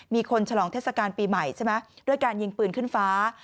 ฉลองเทศกาลปีใหม่ใช่ไหมด้วยการยิงปืนขึ้นฟ้า